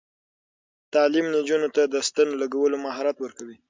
تعلیم نجونو ته د ستن لګولو مهارت ورکوي.